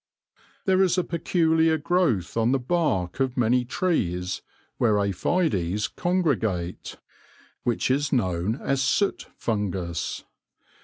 There is a peculiar growth on the bark of many trees where aphides congregate, which is known as soot fungus.